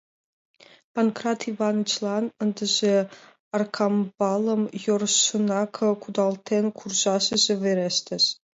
Панкрат Иванычлан ындыже Аркамбалым йӧршынак кудалтен куржашыже вереште...